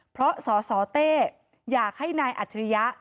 เพราะสาวเตมีอยากให้นายอัชฟรียะ